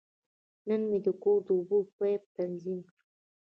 نن مې د کور د اوبو پایپ تنظیم کړ.